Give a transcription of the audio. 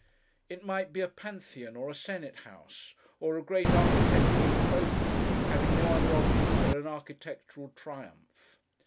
It might be a Pantheon, or a Senate House, or a great architectural trophy, having no other object than an architectural triumph.